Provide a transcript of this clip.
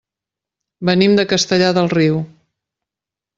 Venim de Castellar del Riu.